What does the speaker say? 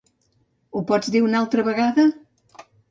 Ho pots dir una altra vegada?